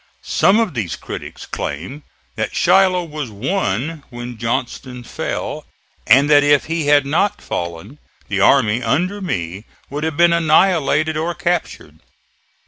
Some of these critics claim that Shiloh was won when Johnston fell, and that if he had not fallen the army under me would have been annihilated or captured.